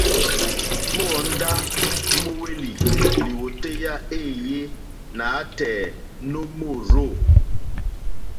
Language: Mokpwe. Móǒndá mówélì lìwòtéyá éèyé nǎtɛ̀ɛ̀ nǒ mòrzô.